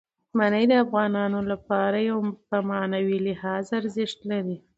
منی د افغانانو لپاره په معنوي لحاظ ارزښت لري.